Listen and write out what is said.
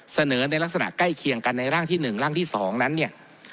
ในลักษณะใกล้เคียงกันในร่างที่๑ร่างที่๒นั้นเนี่ย